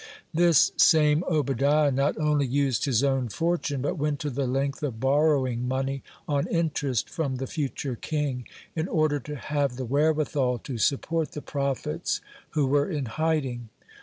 (6) This same Obadiah not only used his own fortune, but went to the length of borrowing money on interest from the future king, in order to have the wherewithal to support the prophets who were in hiding.